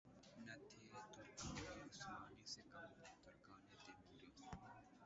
نہ تھے ترکان عثمانی سے کم ترکان تیموری